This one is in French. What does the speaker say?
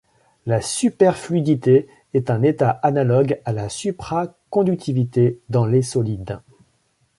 La superfluidité est un état analogue à la supraconductivité dans les solides.